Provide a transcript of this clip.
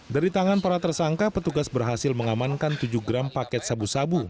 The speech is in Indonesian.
dari tangan para tersangka petugas berhasil mengamankan tujuh gram paket sabu sabu